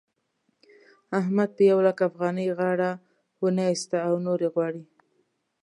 احمد په يو لک افغانۍ غاړه و نه اېسته او نورې غواړي.